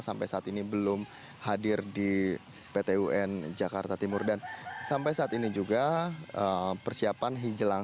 sampai saat ini belum hadir di pt un jakarta timur dan sampai saat ini juga persiapan menjelang